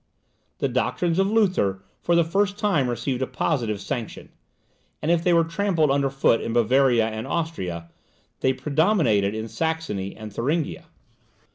The doctrines of Luther for the first time received a positive sanction; and if they were trampled under foot in Bavaria and Austria, they predominated in Saxony and Thuringia.